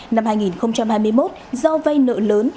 năm hai nghìn hai mươi một do vay nợ lớn